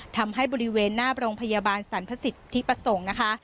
ทำให้บริเวณหน้าโรงพยาบาลสรรพสิทธิประสงค์นะคะ